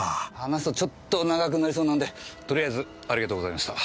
話すとちょっと長くなりそうなんでとりあえずありがとうございました。